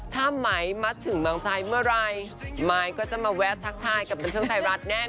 ถ้าไหมมาถึงเมืองไทยเมื่อไหร่หมายก็จะมาแวะทักทายกับบันเทิงไทยรัฐแน่นอ